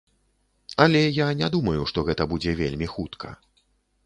Але я не думаю, што гэта будзе вельмі хутка.